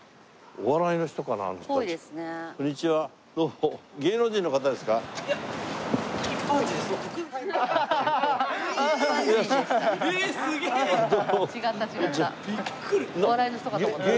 お笑いの人かと思った。